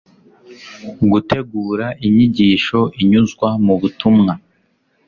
gutegura inyigisho inyuzwa mu butumwa